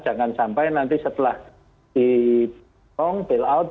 jangan sampai nanti setelah di bailout